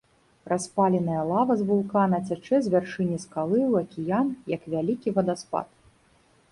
Распаленая лава з вулкана цячэ з вяршыні скалы ў акіян, як вялікі вадаспад.